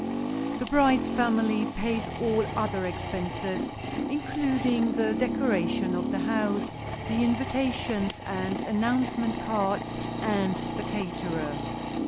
The bride's family pays all other expenses, including the decorating of the house, the invitations and announcement cards and the caterer.